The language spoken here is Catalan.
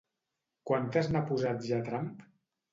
Quantes n'ha posat ja Trump?